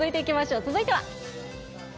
続いては。